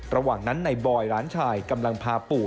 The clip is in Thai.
ระหว่างนั้นในบอยหลานชายกำลังพาปู่